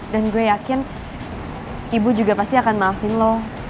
dan gue yakin ibu juga pasti akan maafin lo